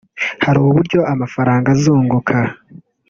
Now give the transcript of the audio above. Hari uburyo amafaranga azunguka